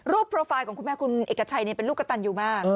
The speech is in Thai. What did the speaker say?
โปรไฟล์ของคุณแม่คุณเอกชัยเป็นลูกกระตันอยู่มาก